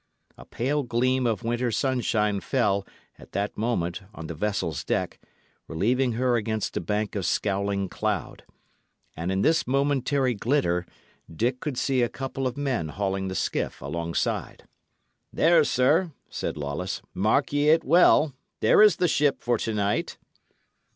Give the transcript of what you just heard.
A pale gleam of winter sunshine fell, at that moment, on the vessel's deck, relieving her against a bank of scowling cloud; and in this momentary glitter Dick could see a couple of men hauling the skiff alongside. "There, sir," said Lawless, "mark ye it well! There is the ship for to night."